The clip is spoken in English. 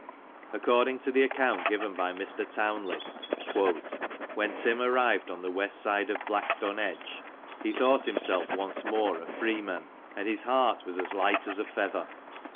•• According to the account given by Mr. Townley, "when Tim arrived on the west side of Blackstonedge, he thought himself once more a freeman, and his heart was as light as a feather.